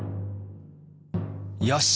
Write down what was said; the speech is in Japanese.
よし！